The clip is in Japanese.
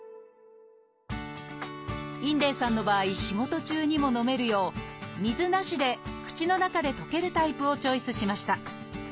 因泥さんの場合仕事中にものめるよう水なしで口の中で溶けるタイプをチョイスしました。